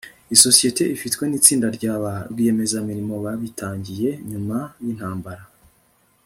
Isosiyete ifitwe nitsinda rya ba rwiyemezamirimo babitangiye nyuma yintambara